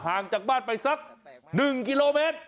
จากบ้านไปสัก๑กิโลเมตร